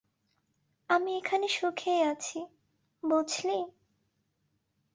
আমি এখানে সুখেই আছি, বুঝলি?